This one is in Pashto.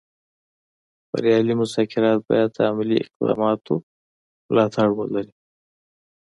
بریالي مذاکرات باید د عملي اقداماتو ملاتړ ولري